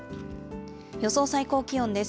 予想最高気温です。